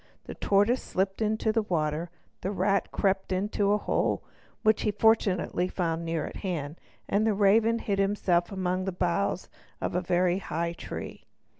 The tortoise slipped into the water, the rat crept into a hole, which he fortunately found near at hand, and the raven hid himself among the boughs of a very high tree.